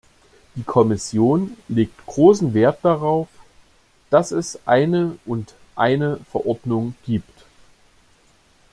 Die Kommission legt großen Wert darauf, dass es eine und eine Verordnung gibt.